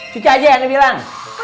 cuca aja yang dibilang